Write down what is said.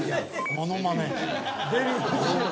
ものまね。